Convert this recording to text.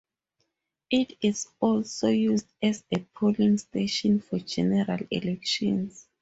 It is also used as a polling station for general elections.